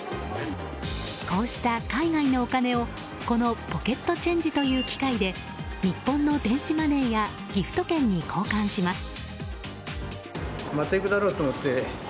こうした海外のお金を、このポケットチェンジという機械で日本の電子マネーやギフト券に交換します。